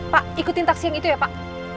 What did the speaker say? pak ikutin taksi yang itu ya pak